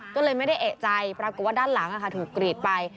ก็เลยไม่ได้เอกใจปรากฏว่าด้านหลังถูกกรีดไป